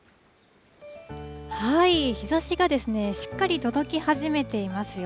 日ざしがしっかり届き始めていますよ。